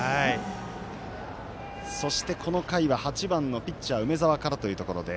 そして、この回はピッチャーの梅澤からというところ。